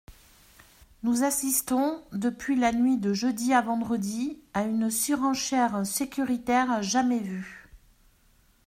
Nous assistons, depuis la nuit de jeudi à vendredi, à une surenchère sécuritaire jamais vue.